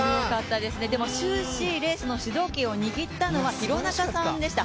終始レースの主導権を握ったのは廣中さんでした。